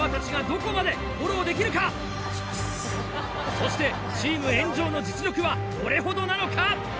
そしてチーム炎上の実力はどれほどなのか？